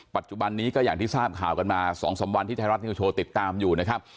ปัจจุบันนี้ก็อย่างที่ทราบข่าวกันมา๒๓วันที่ไทยรัฐนิวโชว์ติดตามอยู่นะครับ